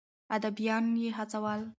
اديبان يې هڅول.